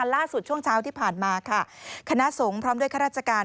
ล่าสุดช่วงเช้าที่ผ่านมาคณะสงฆ์ครอบครัฐราชการ